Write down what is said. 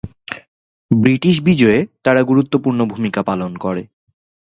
British বিজয়ে তারা গুরুত্বপূর্ণ ভূমিকা পালন করে।